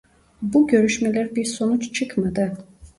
Bu görüşmeler bir sonuç çıkmadı.